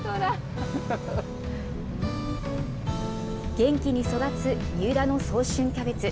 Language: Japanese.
元気に育つ三浦の早春キャベツ。